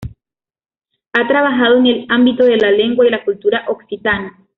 Ha trabajado en el ámbito de la lengua y la cultura occitana.